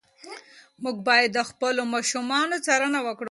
موږ باید د خپلو ماشومانو څارنه وکړو.